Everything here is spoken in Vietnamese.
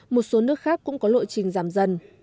một số nước khác cũng có lộ trình giảm dần